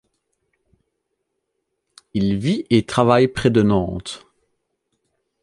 Il vit et travaille près de Nantes.